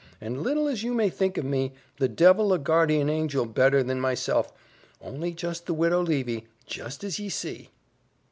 And little as you may think of me, the devil a guardian angel better than myself, only just the Widow Levy, such as ye see!"